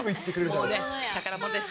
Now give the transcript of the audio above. もうね、宝物です。